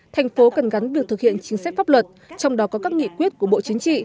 thành phố cần gắn việc thực hiện chính sách pháp luật trong đó có các nghị quyết của bộ chính trị